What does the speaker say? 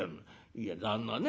「いや旦那ね